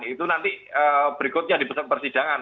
itu nanti berikutnya di persidangan